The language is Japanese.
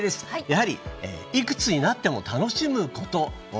やはり、いくつになっても楽しむこと！